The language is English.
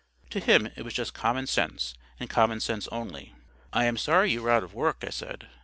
To him it was just common sense, and common sense only. "I am sorry you are out of work," I said.